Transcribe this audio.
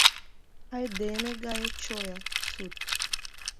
«Айдеме гае чоя, сут